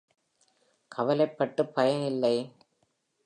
கவலைப்பட்டு பயன் இல்லை.